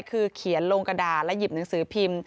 คือเขียนลงกระดาษและหยิบหนังสือพิมพ์